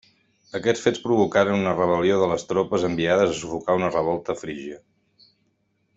Aquests fets provocaren una rebel·lió de les tropes enviades a sufocar una revolta a Frígia.